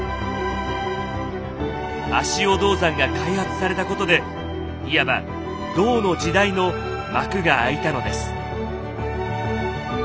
足尾銅山が開発されたことでいわば「銅の時代」の幕が開いたのです。